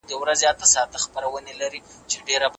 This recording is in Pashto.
د انتظار قانون صبر ته اړتیا لري.